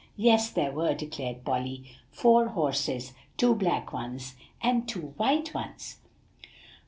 "Yes, there were," declared Polly, "four horses, two black ones and two white ones."